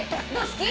好き？